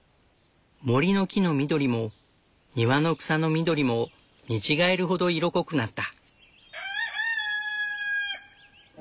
森の木の緑も庭の草の緑も見違えるほど色濃くなった。